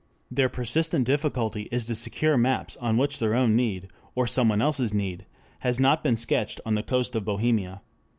Their persistent difficulty is to secure maps on which their own need, or someone else's need, has not sketched in the coast of Bohemia.